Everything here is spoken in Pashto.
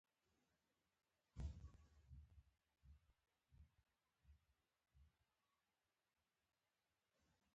الپتکین د سامانیانو له امر څخه سرغړونه وکړه.